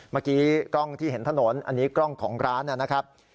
เมื่อกี้กล้องที่เห็นถนนอันนี้กล้องของร้านนะครับ